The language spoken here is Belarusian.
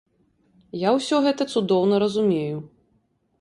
Я ўсе гэта цудоўна разумею.